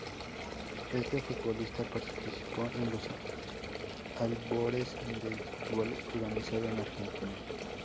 Este futbolista participó en los albores del fútbol organizado en Argentina.